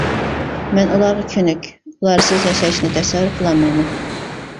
مەن ئۇلارغا كۆنۈك، ئۇلارسىز ياشاشنى تەسەۋۋۇر قىلالمايمەن.